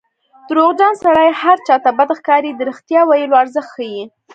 دروغجن سړی هر چا ته بد ښکاري د رښتیا ویلو ارزښت ښيي